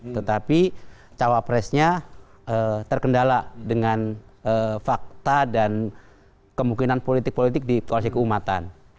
tetapi cawapresnya terkendala dengan fakta dan kemungkinan politik politik di koalisi keumatan